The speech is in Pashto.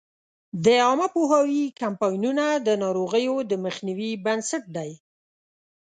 د عامه پوهاوي کمپاینونه د ناروغیو د مخنیوي بنسټ دی.